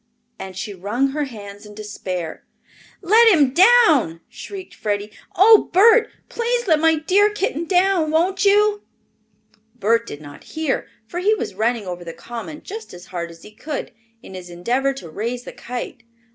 and she wrung her hands in despair. "Let him down!" shrieked Freddie. "Oh, Bert, please let my dear kitten down, won't you?" Bert did not hear, for he was running over the common just as hard as he could, in his endeavor to raise the kite.